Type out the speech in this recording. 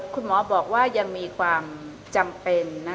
คุณหมอบอกว่ายังมีความจำเป็น